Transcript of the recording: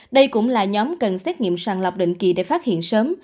đây cũng là nhóm cần xét nghiệm sàng lọc định kỳ để phát hiện sớm